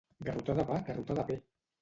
Garrotada va, garrotada ve!